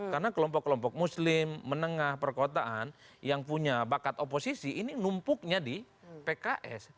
karena kelompok kelompok muslim menengah perkotaan yang punya bakat oposisi ini numpuknya di pks